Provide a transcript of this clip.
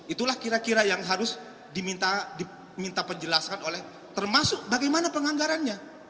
itulah kira kira yang harus diminta penjelasan oleh termasuk bagaimana penganggarannya